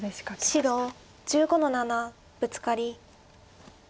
白１５の七ブツカリ。